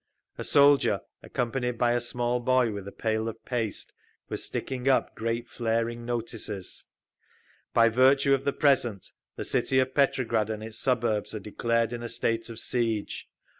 A soldier, accompanied by a small boy with a pail of paste, was sticking up great flaring notices: By virtue of the present, the city of Petrograd and its suburbs are declared in a state of siege.